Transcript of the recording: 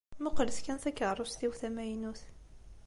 Muqlet kan takeṛṛust-iw tamaynut.